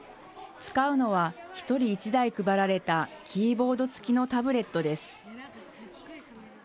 使うのは１人１台配られたキーボード付きのタブレットです。